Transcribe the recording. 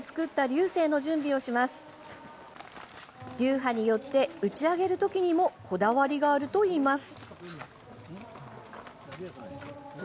流派によって打ち上げる時にもこだわりがあるといいます。